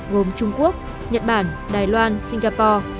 gồm trung quốc nhật bản đài loan singapore